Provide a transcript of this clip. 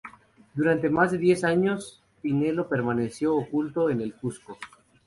Durante más de diez años, Pinelo permaneció oculto en el Cuzco.